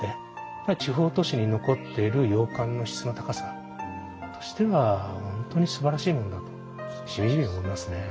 地方都市に残っている洋館の質の高さとしては本当にすばらしいものだとしみじみ思いますね。